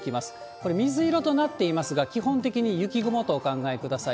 これ、水色となっていますが、基本的に雪雲とお考えください。